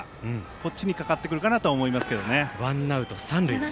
こっちにかかってくるかなと思いますね。